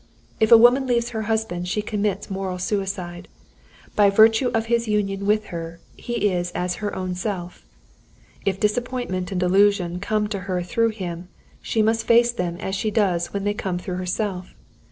"If a woman leaves her husband she commits moral suicide. By virtue of his union with her, he is as her own self. If disappointment and disillusion come to her through him, she must face them as she does when they come through herself.